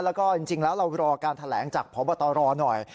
แล้วก็จริงแล้วเรารอการแถลงจากพบตรหน่อย